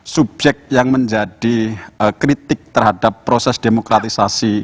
subjek yang menjadi kritik terhadap proses demokratisasi